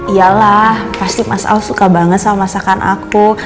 iyalah pasti mas al suka banget sama masakan aku